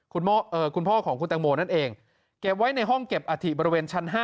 คุณพ่อของคุณตังโมนั่นเองเก็บไว้ในห้องเก็บอาถิบริเวณชั้น๕